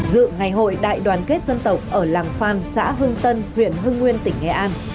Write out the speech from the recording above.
dự ngày hội đại đoàn kết dân tộc ở làng phan xã hưng tân huyện hưng nguyên tỉnh nghệ an